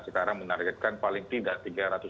sekarang menargetkan paling tidak